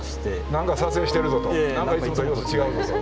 何か撮影してるぞと何かいつもと違うぞと。